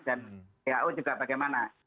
dan pho juga bagaimana